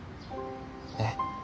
えっ？